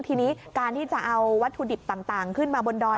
ทีนี้การที่จะเอาวัตถุดิบต่างขึ้นมาบนดอย